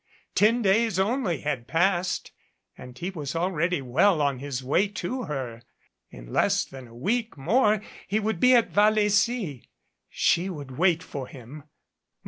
Ten days only had passed, and he was already well on his way to her. In less than a week more he would be in Vallecy. She would wait for him.